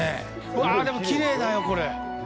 わあ、でも、きれいだよ、これ。